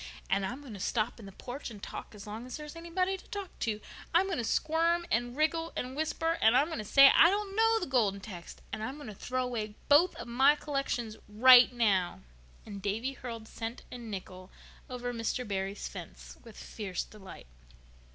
"And I'm going to stop in the porch and talk as long as there's anybody there to talk to. I'm going to squirm and wriggle and whisper, and I'm going to say I don't know the Golden Text. And I'm going to throw away both of my collections right now." And Davy hurled cent and nickel over Mr. Barry's fence with fierce delight.